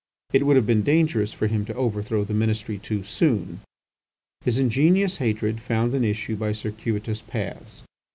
It would have been dangerous for him to overthrow the ministry too soon. His ingenious hatred found an issue by circuitous paths.